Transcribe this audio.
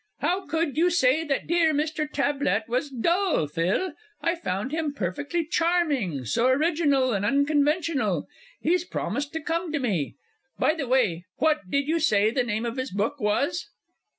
How could you say that dear Mr. Tablett was dull, Phil? I found him perfectly charming so original and unconventional! He's promised to come to me. By the way, what did you say the name of his book was?